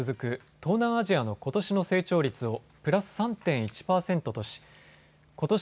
東南アジアのことしの成長率をプラス３．１％としことし